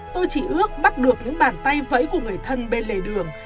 tôi chỉ ước bắt được những bàn tay vẫy của người thân bên lề đường